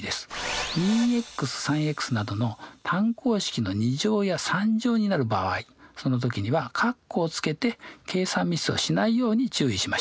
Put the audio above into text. ２３などの単項式の２乗や３乗になその時には括弧をつけて計算ミスをしないように注意しましょう。